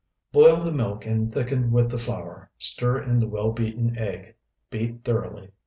Boil the milk and thicken with the flour; stir in the well beaten egg; beat thoroughly.